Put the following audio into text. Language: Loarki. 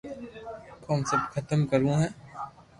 ڪوم سب ختم ڪروہ ھي